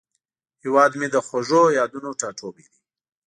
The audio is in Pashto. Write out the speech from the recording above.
هیواد مې د خوږو یادونو ټاټوبی دی